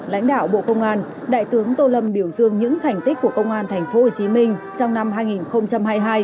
lãnh đạo bộ công an đại tướng tô lâm biểu dương những thành tích của công an tp hcm trong năm hai nghìn hai mươi hai